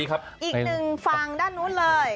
อีกหนึ่งฝั่งด้านนู้นเลย